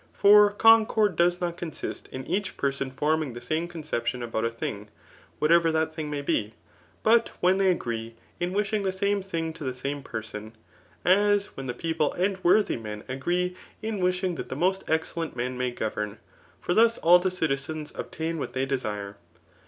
For concord does not consist in each person forming the same conception about a thing, what ever that thmg may be, but when they agree in wishing Digitized by Google CHAP. VI. ETHICS. 3Mf the same thing to the same person ; as whra the people and vrorthy men agree in wishing that the most excellent men may govern ; for thus all the citizens obtain what they desire.